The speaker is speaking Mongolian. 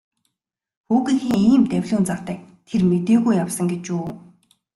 Хүүгийнхээ ийм давилуун зантайг тэр мэдээгүй явсан гэж үү.